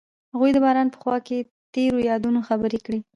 هغوی د باران په خوا کې تیرو یادونو خبرې کړې.